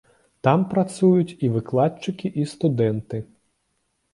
Там працуюць і выкладчыкі, і студэнты.